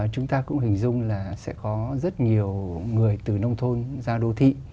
chúng ta cũng hình dung là sẽ có rất nhiều người từ nông thôn ra đô thị